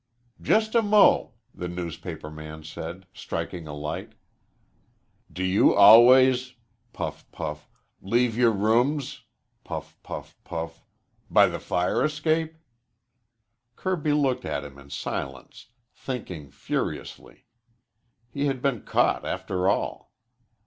"Just a mo'," the newspaper man said, striking a light. "Do you always" puff, puff "leave your rooms" puff, puff, puff "by the fire escape?" Kirby looked at him in silence, thinking furiously. He had been caught, after all.